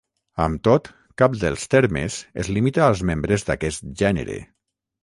Amb tot, cap dels termes es limita als membres d'aquest gènere.